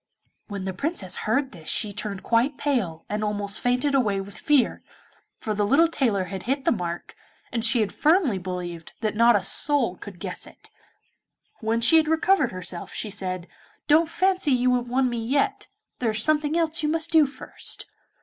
When the Princess heard this she turned quite pale, and almost fainted away with fear, for the little tailor had hit the mark, and she had firmly believed that not a soul could guess it. When she had recovered herself she said, 'Don't fancy you have won me yet, there is something else you must do first.